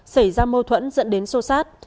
xảy ra mâu thuẫn dẫn đến sô sát